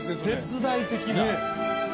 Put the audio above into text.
絶大的な。